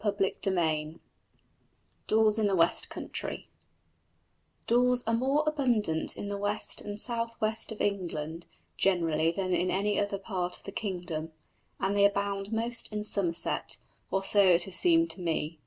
CHAPTER III DAWS IN THE WEST COUNTRY Daws are more abundant in the west and south west of England generally than in any other part of the kingdom; and they abound most in Somerset, or so it has seemed to me.